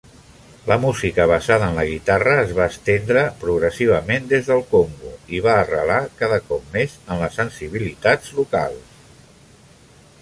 La música basada en la guitarra es va estendre progressivament des del Congo i va arrelar cada cop més en les sensibilitats locals.